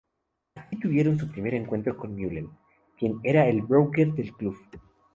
Allí tuvieron su primer encuentro con Mullen, quien era el broker del club.